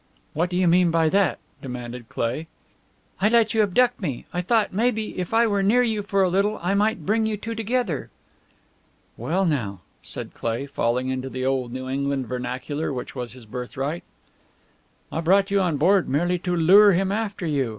"What do you mean by that?" demanded Cleigh. "I let you abduct me. I thought, maybe, if I were near you for a little I might bring you two together." "Well, now!" said Cleigh, falling into the old New England vernacular which was his birthright. "I brought you on board merely to lure him after you.